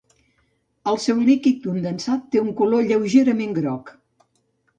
El seu líquid condensat té un color lleugerament groc.